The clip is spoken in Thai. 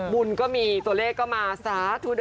บุญก็มีตัวเลขก็มาสาธุ